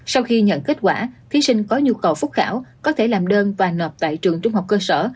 sau khi nhận kết quả thí sinh có nhu cầu phúc khảo có thể làm đơn và nộp tại trường trung học cơ sở